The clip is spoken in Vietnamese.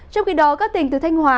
trong khi đó các tỉnh từ thanh hóa